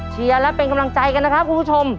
และเป็นกำลังใจกันนะครับคุณผู้ชม